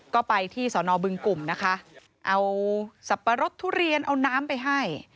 ก็ไปที่สอนอบึงกลุ่มนะคะเอาสับปะรดทุเรียนเอาน้ำไปให้